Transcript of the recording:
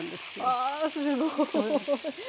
わあすごい。